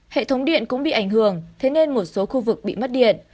hệ thống điện cũng bị ảnh hưởng thế nên một số khu vực bị mất điện